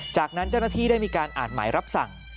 จากนั้นเจ้าหน้าที่ได้มีการอ่านหมายรับสั่ง